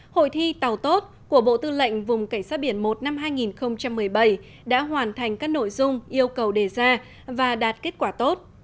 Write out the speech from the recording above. hội thi tàu tốt của bộ tư lệnh vùng cảnh sát biển một năm hai nghìn một mươi bảy đã hoàn thành các nội dung yêu cầu đề ra và đạt kết quả tốt